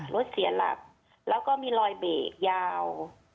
รถเสียหลักแล้วก็มีรอยเบรกยาว